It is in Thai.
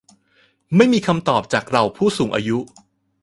ไม่มีคำตอบจากเหล่าผู้สูงวัย